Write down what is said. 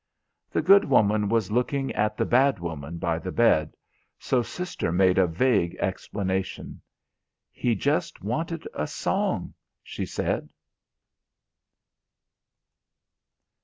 The good woman was looking at the bad woman by the bed, so Sister made a vague explanation. "He just wanted a song," she said.